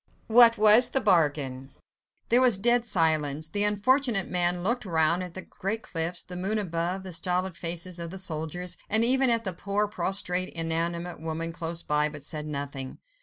"What was the bargain?" There was dead silence. The unfortunate man looked round at the great cliffs, the moon above, the stolid faces of the soldiers, and even at the poor, prostrate, inanimate woman close by, but said nothing.